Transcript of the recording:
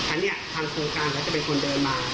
อันนี้ทางโครงการเขาจะเป็นคนเดินมา